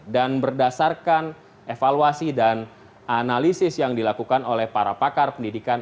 dan berdasarkan evaluasi dan analisis yang dilakukan oleh para pakar pendidikan